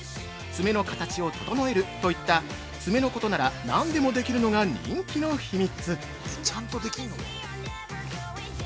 「爪の形を整える」といった爪のことなら何でもできるのが人気の秘密！